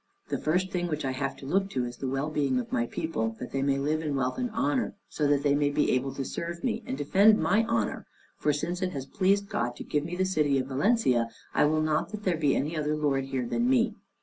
The first thing which I have to look to is to the well being of my people, that they may live in wealth and honor, so that they may be able to serve me, and defend my honor: for since it has pleased God to give me the city of Valencia, I will not that there be any other lord here than me.